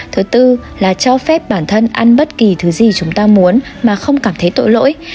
thứ tư là cho phép bản thân ăn bất kỳ thứ gì chúng ta muốn mà không cảm thấy tội lỗi